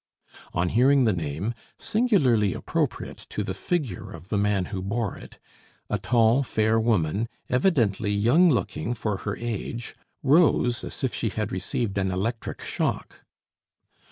On hearing the name, singularly appropriate to the figure of the man who bore it, a tall, fair woman, evidently young looking for her age, rose as if she had received an electric shock.